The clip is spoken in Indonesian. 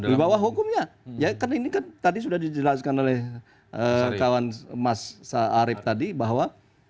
di bawah hukumnya ya kan ini kan tadi sudah dijelaskan oleh kawan mas arief tadi bahwa